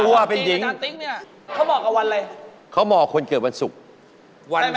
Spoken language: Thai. วันศุกร์